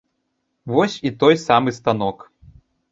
Вось і той самы станок.